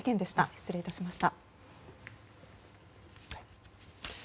失礼いたしました。